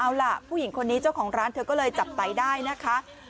เอาล่ะผู้หญิงคนนี้เจ้าของร้านเธอก็เลยจับไตได้นะคะ